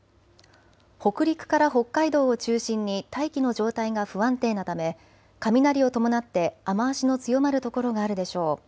北陸から北海道を中心に大気の状態が不安定なため雷を伴って雨足の強まる所があるでしょう。